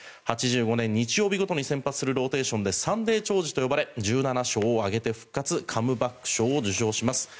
８５年、日曜日ごとに先発するローテーションでサンデー兆治と呼ばれ１７勝を挙げて復活カムバック賞を受賞します。